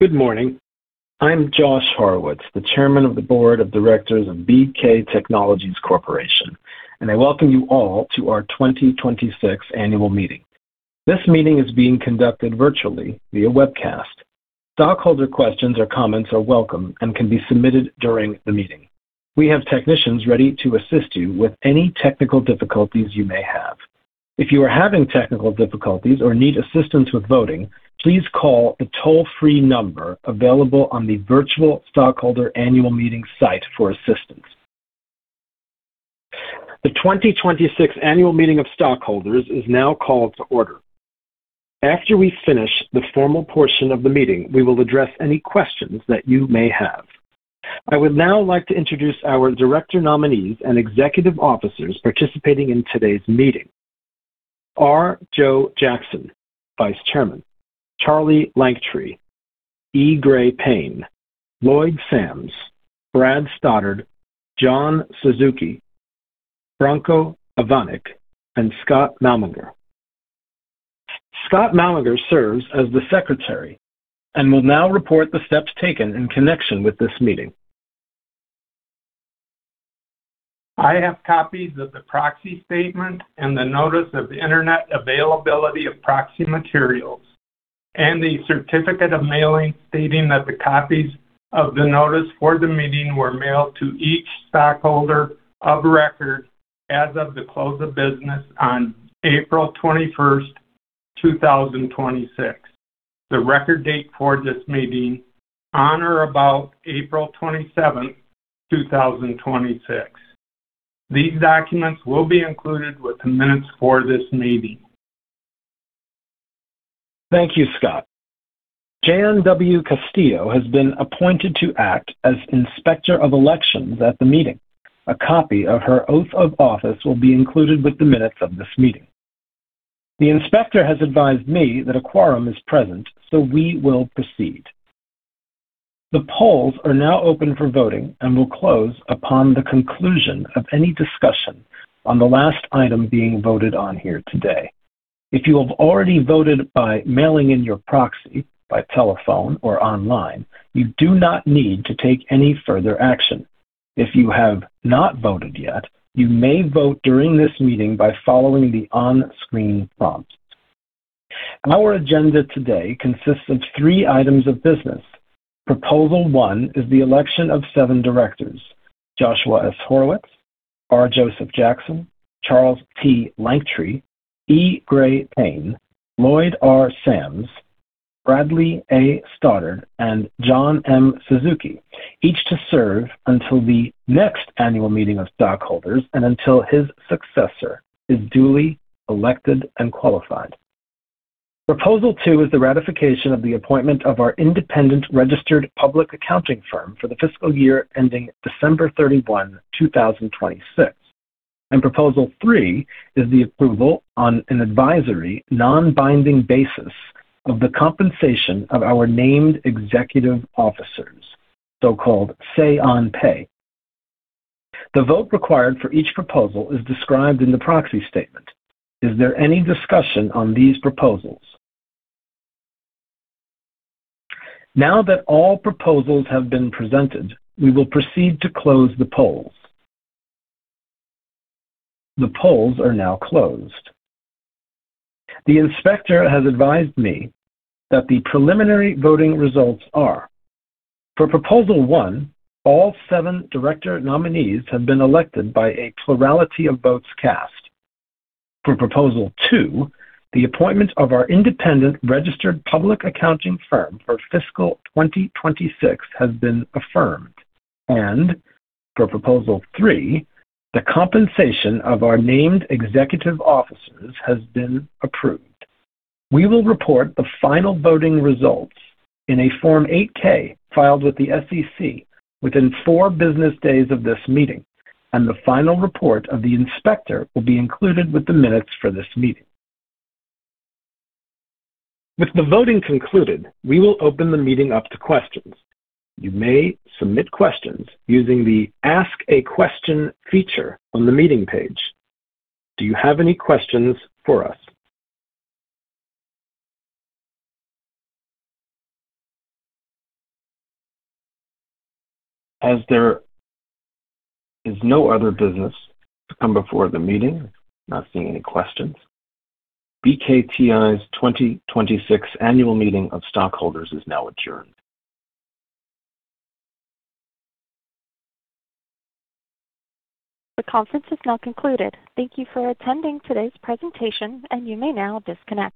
Good morning. I'm Josh Horowitz, the Chairman of the Board of Directors of BK Technologies Corporation, and I welcome you all to our 2026 annual meeting. This meeting is being conducted virtually via webcast. Stockholder questions or comments are welcome and can be submitted during the meeting. We have technicians ready to assist you with any technical difficulties you may have. If you are having technical difficulties or need assistance with voting, please call the toll-free number available on the virtual stockholder annual meeting site for assistance. The 2026 Annual Meeting of Stockholders is now called to order. After we finish the formal portion of the meeting, we will address any questions that you may have. I would now like to introduce our director nominees and executive officers participating in today's meeting. R. Joe Jackson, Vice Chairman, Charlie Lanktree, E. Gray Payne, Lloyd Sams, Brad Stoddard, John Suzuki, Branko Avanic, and Scott Malmanger. Scott Malmanger serves as the secretary and will now report the steps taken in connection with this meeting. I have copies of the proxy statement and the notice of the internet availability of proxy materials and the certificate of mailing stating that the copies of the notice for the meeting were mailed to each stockholder of record as of the close of business on April 21st, 2026, the record date for this meeting on or about April 27th, 2026. These documents will be included with the minutes for this meeting. Thank you, Scott. Jan W. Castillo has been appointed to act as Inspector of Elections at the meeting. A copy of her oath of office will be included with the minutes of this meeting. The Inspector has advised me that a quorum is present, so we will proceed. The polls are now open for voting and will close upon the conclusion of any discussion on the last item being voted on here today. If you have already voted by mailing in your proxy, by telephone, or online, you do not need to take any further action. If you have not voted yet, you may vote during this meeting by following the on-screen prompts. Our agenda today consists of three items of business. Proposal 1 is the election of seven directors, Joshua S. Horowitz, R. Joseph Jackson, Charles T. Lanktree, E. Gray Payne, Lloyd R. Sams, Bradley A. Stoddard, and John M. Suzuki, each to serve until the next Annual Meeting of Stockholders and until his successor is duly elected and qualified. Proposal 2 is the ratification of the appointment of our independent registered public accounting firm for the fiscal year ending December 31, 2026. Proposal 3 is the approval on an advisory, non-binding basis of the compensation of our named executive officers, so-called say on pay. The vote required for each proposal is described in the proxy statement. Is there any discussion on these proposals? Now that all proposals have been presented, we will proceed to close the polls. The polls are now closed. The Inspector has advised me that the preliminary voting results are: for Proposal 1, all seven director nominees have been elected by a plurality of votes cast. For Proposal 2, the appointment of our independent registered public accounting firm for fiscal 2026 has been affirmed, and for Proposal 3, the compensation of our named executive officers has been approved. We will report the final voting results in a Form 8-K filed with the SEC within four business days of this meeting, and the final report of the Inspector will be included with the minutes for this meeting. With the voting concluded, we will open the meeting up to questions. You may submit questions using the Ask a Question feature on the meeting page. Do you have any questions for us? As there is no other business to come before the meeting, I'm not seeing any questions. BKTI's 2026 Annual Meeting of Stockholders is now adjourned. The conference has now concluded. Thank you for attending today's presentation, and you may now disconnect.